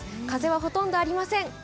風はほとんどありません。